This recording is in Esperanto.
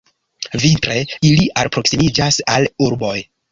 Vintre ili alproksimiĝas al urboj.